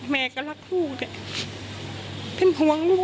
ไม่ตั้งใจครับ